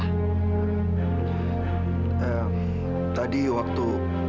eh tadi waktu